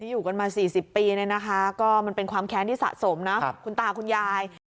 อยู่กันมา๔๐ปีเนี่ยนะคะก็มันเป็นความแค้นที่สะสมนะคุณตาคุณยาย